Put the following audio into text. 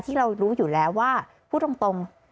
ที่เรารู้อยู่แล้วว่าพูดตรง